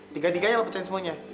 tiga tiganya lo pecahin semuanya